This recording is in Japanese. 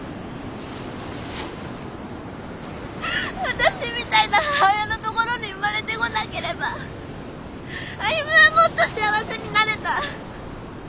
私みたいな母親のところに生まれてこなければ歩はもっと幸せになれた！